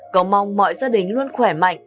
cầu mong mọi gia đình luôn khỏe mạnh